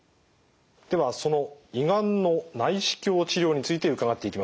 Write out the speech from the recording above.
ではその胃がんの内視鏡治療について伺っていきましょう。